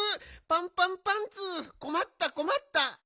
パンパンパンツーこまったこまった。